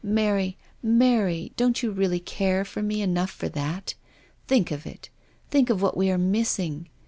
Mary, Mary, don't you really care for me enough for that? Think of it, think of what we are missing